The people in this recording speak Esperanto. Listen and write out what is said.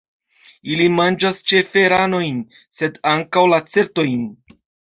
Ili manĝas ĉefe ranojn, sed ankaŭ lacertojn.